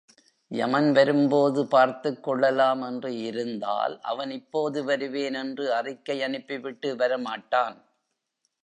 யமன் வரும்போது பார்த்துக் கொள்ளலாம் என்று இருந்தால், அவன் இப்போது வருவேன் என்று அறிக்கை அனுப்பிவிட்டு வர மாட்டான்.